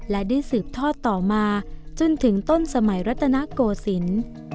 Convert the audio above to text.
และได้สืบทอดต่อมาจนถึงต้นสมัยรัตนโกศิลป์